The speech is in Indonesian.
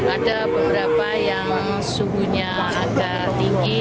ada beberapa yang suhunya agak tinggi